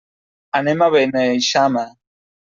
Anem a Beneixama.